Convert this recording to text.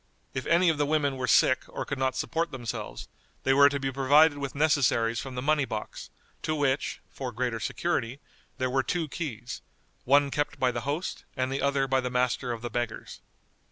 If any of the women were sick or could not support themselves, they were to be provided with necessaries from the money box, to which (for greater security) there were two keys, one kept by the host and the other by the Master of the Beggars.